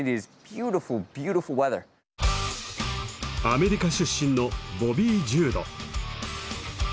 アメリカ出身のボビー・ジュード。